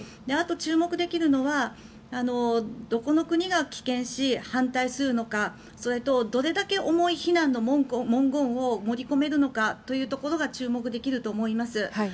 あと、注目できるのはどこの国が棄権し反対するのかそれと、どれだけ重い非難の文言を盛り込めるのかというところが注目できると思います。